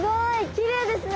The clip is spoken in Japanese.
きれいですね！